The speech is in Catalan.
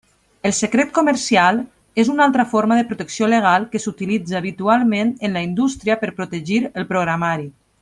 El secret comercial és una altra forma de protecció legal que s'utilitza habitualment en la indústria per protegir el programari.